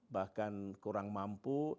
bahkan kurang mampu